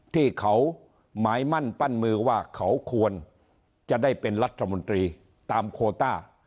ที่เขาหมายมั่นปั้นมือว่าเขาควรจะได้เป็นรัฐมนตรีตามโคต้า